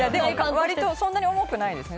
割とそんなに重くないです。